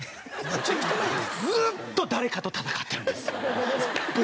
ずっと誰かと戦ってるんです僕だけ。